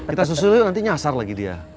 kita susun yuk nanti nyasar lagi dia